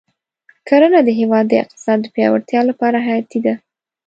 کرنه د هېواد د اقتصاد د پیاوړتیا لپاره حیاتي ده.